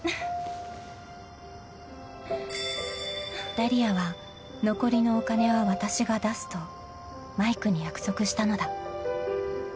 ［ダリアは「残りのお金は私が出す」とマイクに約束したのだ］